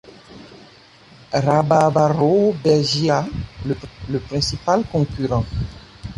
Rabarbaro Bergia, le principal concurrent.